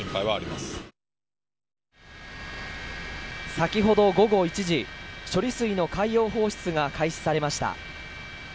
先ほど、午後１時処理水の海洋放出が開始されました。